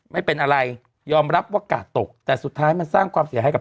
ไม่เป็นอะไรยอมรับว่ากาดตกแต่สุดท้ายมันสร้างความเสียหายให้กับ